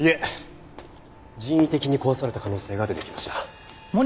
人為的に壊された可能性が出てきました。